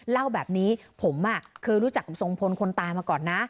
เล่าแบบนี้ผมเคยรู้จักกับทรงพลคนตายมาก่อนนะ